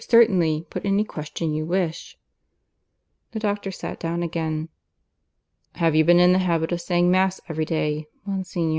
Certainly. Put any question you wish." The doctor sat down again. "Have you been in the habit of saying Mass every day, Monsignor?"